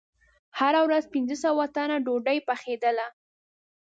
هره ورځ پنځه سوه تنه ډوډۍ پخېدله.